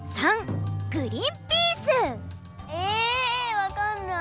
わかんない！